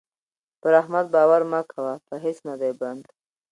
پر احمد باور مه کوه؛ په هيڅ نه دی بند.